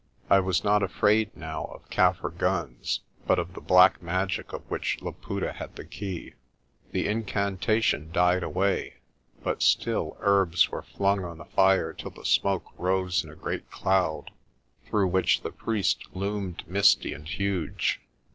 I was not afraid now of Kaffir guns, but of the black magic of which Laputa had the key. The incantation died away, but still herbs were flung on the fire till the smoke rose in a great cloud, through which the priest loomed misty and huge.